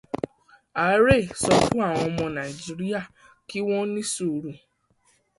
Ààrẹ sọ fún àwọn ọmọ Nàíjíríà kí wọn ó ní sùúrù.